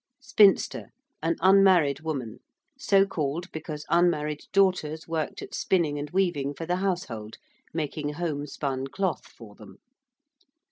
~spinster~: an unmarried woman; so called because unmarried daughters worked at spinning and weaving for the household, making 'homespun' cloth for them.